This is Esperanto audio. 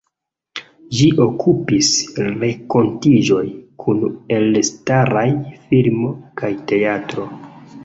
Ĝi okupis renkontiĝoj kun elstaraj filmo kaj teatro.